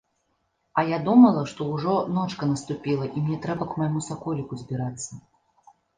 А я думала, што ўжо ночка наступіла і мне трэба к майму саколіку збірацца.